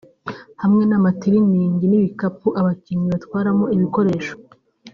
hamwe n’amatiliningi n’ibikapu abakinnyi batwaramo ibikoresho